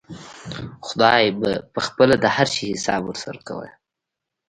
خداى به پخپله د هر شي حساب ورسره وکا.